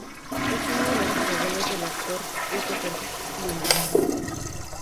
Es uno de los bisabuelos del actor Christopher Plummer.